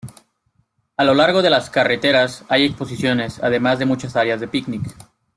A lo largo de las carreteras, hay exposiciones además de muchas áreas de picnic.